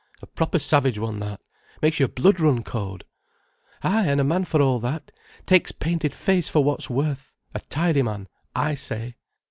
"A proper savage one, that. Makes your blood run cold—" "Ay, an' a man for all that, take's painted face for what's worth. A tidy man, I say."